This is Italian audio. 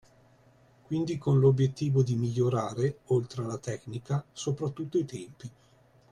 Quindi con l’obiettivo di migliorare, oltre alla tecnica, soprattutto i tempi.